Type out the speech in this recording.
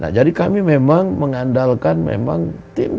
nah jadi kami memang mengandalkan memang tim tim yang kami